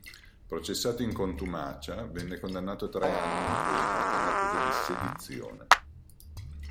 Processato in contumacia, venne condannato a tre anni di pena con l'accusa di sedizione.